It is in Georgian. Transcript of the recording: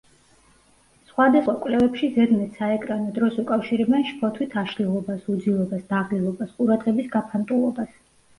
სხვადასხვა კვლევებში ზედმეტ საეკრანო დროს უკავშირებენ შფოთვით აშლილობას, უძილობას, დაღლილობას, ყურადღების გაფანტულობას.